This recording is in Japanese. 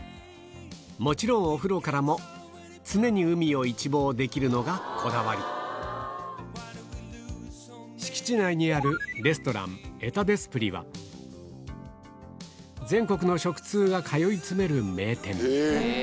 もちろんお風呂からも常に海を一望できるのがこだわり敷地内にあるレストラン全国の食通が通い詰める名店